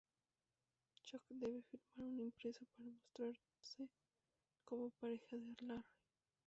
Chuck debe firmar un impreso para mostrarse como pareja de Larry.